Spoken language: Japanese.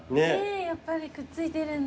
やっぱりくっついてるんだ。